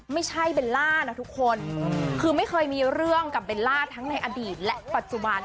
เบลล่านะทุกคนคือไม่เคยมีเรื่องกับเบลล่าทั้งในอดีตและปัจจุบัน